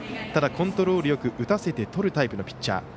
ただ、コントロールよく打たせてとるタイプのピッチャー。